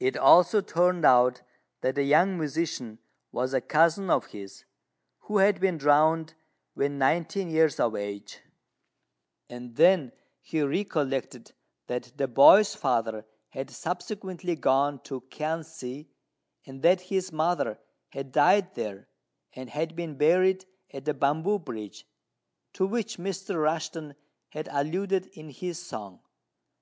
It also turned out that the young musician was a cousin of his, who had been drowned when nineteen years of age; and then he recollected that the boy's father had subsequently gone to Kiang si, and that his mother had died there, and had been buried at the Bamboo Bridge, to which Mr. Rushten had alluded in his song.